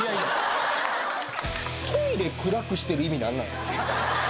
トイレ暗くしてる意味何なんですか？